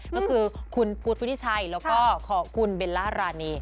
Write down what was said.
ก็คือคุณพุทธวุฒิชัยแล้วก็ของคุณเบลล่ารานี